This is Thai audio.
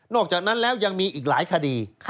อกจากนั้นแล้วยังมีอีกหลายคดี